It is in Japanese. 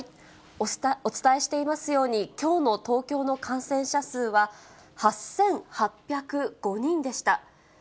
お伝えしていますように、きょうの東京の感染者数は８８０５人でした。